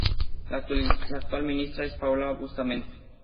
La actual ministra es Paola Bustamante.